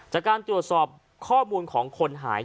จากการตรวจสอบข้อมูลของคนหาย